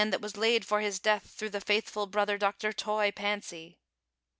49 that was laid for his death tlirough the faithful brother, Dr. Toy Fancy.